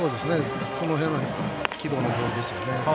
この辺の軌道のボールですね。